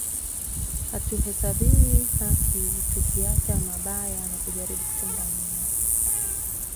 Hatuhesabiwi haki tukiacha mabaya na kujaribu kutenda mema